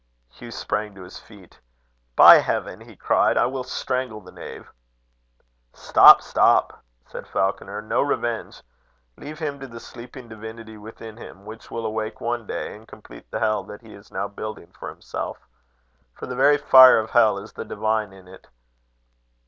Hugh sprang to his feet. "By heaven!" he cried, "I will strangle the knave." "Stop, stop!" said Falconer. "No revenge! Leave him to the sleeping divinity within him, which will awake one day, and complete the hell that he is now building for himself for the very fire of hell is the divine in it.